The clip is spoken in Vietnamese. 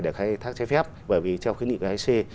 để khai thác trái phép bởi vì trong khuyến định của ec